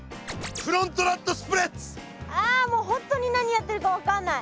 ああもう本当に何やってるか分かんない。